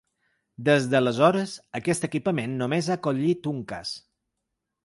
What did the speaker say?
Des d’aleshores, aquest equipament només ha acollit un cas.